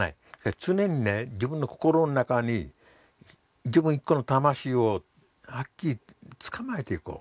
常に自分の心の中に自分一個の魂をはっきりつかまえていこう。